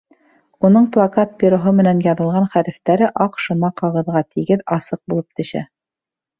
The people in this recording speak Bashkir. Уның плакат пероһы менән яҙылған хәрефтәре аҡ шыма ҡағыҙға тигеҙ, асыҡ булып төшә.